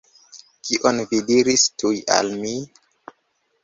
Kion vi diris tuj al mi?